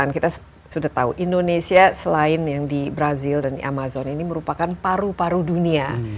kita sudah tahu indonesia selain yang di brazil dan amazon ini merupakan paru paru dunia